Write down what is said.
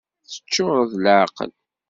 Teččureḍ d leεqel!